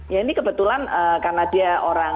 ya ini kebetulan karena dia orang